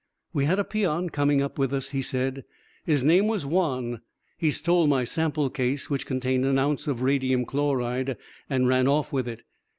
"We had a peon coming up with us," he said. "His name was Juan. He stole my sample case, which contained an ounce of radium chloride, and ran off with it.